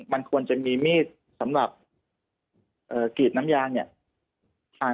มันควรจะมีมีดสำหรับกรีดน้ำยางเนี่ย